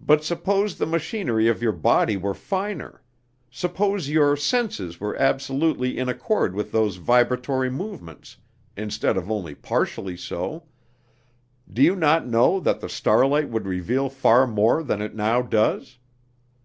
But suppose the machinery of your body were finer suppose your senses were absolutely in accord with those vibratory movements, instead of only partially so do you not know that the starlight would reveal far more than it now does?